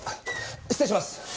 失礼します。